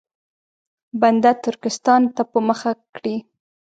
بنده ترکستان ته په مخه کړي.